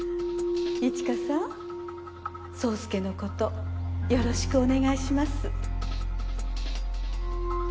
一華さん宗介のことよろしくお願いします。